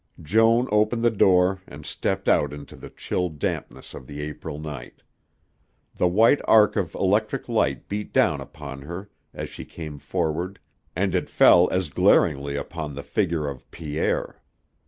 Joan opened the door and stepped out into the chill dampness of the April night. The white arc of electric light beat down upon her as she came forward and it fell as glaringly upon the figure of Pierre.